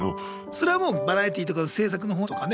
それはもうバラエティーとか制作の方とかね。